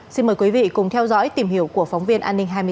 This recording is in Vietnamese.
xin mời quý vị cùng theo dõi tìm hiểu của phóng viên an ninh hai mươi h